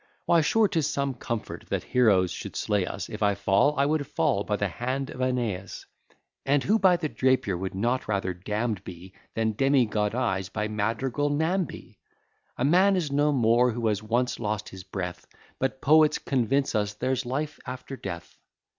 Why sure 'tis some comfort that heroes should slay us, If I fall, I would fall by the hand of Æneas; And who by the Drapier would not rather damn'd be, Than demigoddized by madrigal Namby? A man is no more who has once lost his breath; But poets convince us there's life after death.